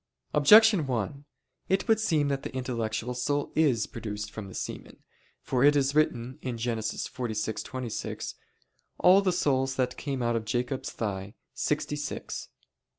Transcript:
Objection 1: It would seem that the intellectual soul is produced from the semen. For it is written (Gen. 46:26): "All the souls that came out of [Jacob's] thigh, sixty six."